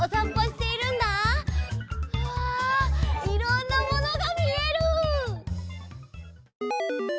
うわいろんなものがみえる！